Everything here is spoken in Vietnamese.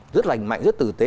rất lành mạnh rất tử tế